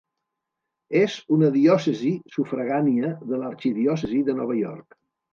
És una diòcesi sufragània de l'arxidiòcesi de Nova York.